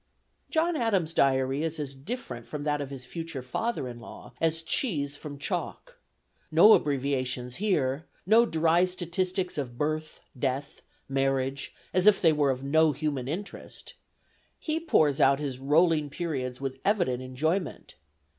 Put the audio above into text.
John Adams' diary is as different from that of his future father in law as cheese from chalk. No abbreviations here; no dry statistics of birth, death, marriage, as if they were of no human interest. He pours out his rolling periods with evident enjoyment.